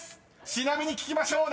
ちなみに聞きましょう。